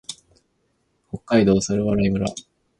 北海道猿払村